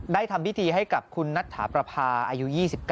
ทำพิธีให้กับคุณนัทถาประพาอายุ๒๙